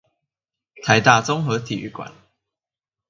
台大綜合體育館